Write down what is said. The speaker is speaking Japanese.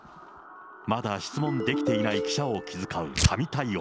まだ質問できていない記者を気遣う神対応。